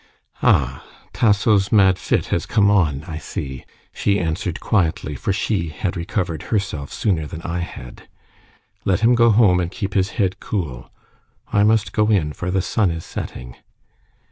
"Ah, Tasso's mad fit has come on, I see," she answered quietly, for she had recovered herself sooner than I had. "Let him go home and keep his head cool. I must go in, for the sun is setting."